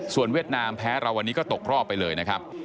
เวียดนามแพ้เราวันนี้ก็ตกรอบไปเลยนะครับ